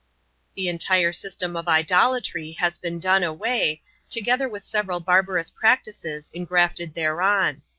The entire system of idolatry has been done away, together w:ith several barbarous practices engrafted thereon.